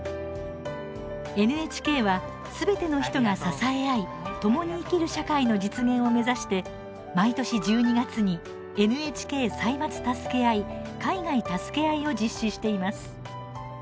ＮＨＫはすべての人が支え合いともに生きる社会の実現を目指して、毎年１２月に「ＮＨＫ歳末たすけあい海外たすけあい」を実施しています。